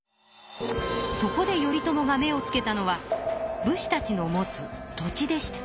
そこで頼朝が目をつけたのは武士たちの持つ土地でした。